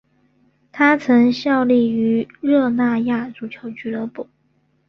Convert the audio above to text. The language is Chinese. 他曾效力于热那亚足球俱乐部。